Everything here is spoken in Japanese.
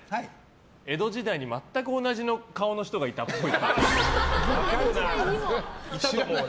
江戸時代に全く同じ顔の人がいたっぽい。